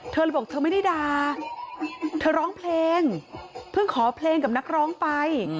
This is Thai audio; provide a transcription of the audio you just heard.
เธอเลยบอกเธอไม่ได้ด่าเธอร้องเพลงเพิ่งขอเพลงกับนักร้องไป